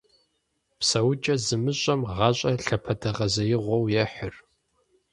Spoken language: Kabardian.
ПсэукӀэ зымыщӀэм гъащӀэр лъапэдэгъэзеигъуэу ехьыр.